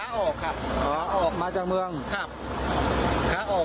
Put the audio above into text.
ผู้เห็นเหตุการณ์และผู้บาดเจ็บ